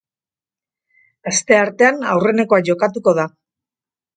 Asteartean aurrenekoa jokatuko da.